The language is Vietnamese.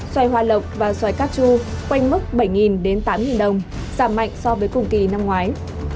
xoài hoa lộc và xoài cacchu quanh mức bảy tám đồng giảm mạnh so với cùng kỳ năm ngoái